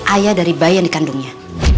ayah dari bayi yang dikandungnya